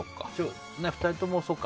２人ともそうか。